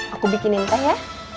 aku bikin entah ya